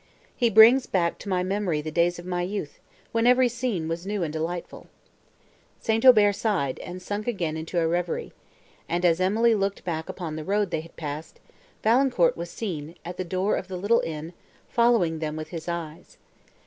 He brings back to my memory the days of my youth, when every scene was new and delightful!" St. Aubert sighed, and sunk again into a reverie; and, as Emily looked back upon the road they had passed, Valancourt was seen, at the door of the little inn, following them with his eyes.